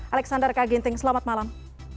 alexander kaginting selamat malam